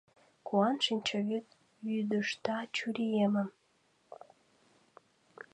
Куан шинчавӱд вӱдыжта чуриемым.